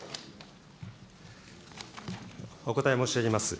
お答え申し上げます。